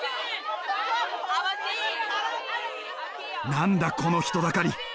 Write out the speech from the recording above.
何だこの人だかり。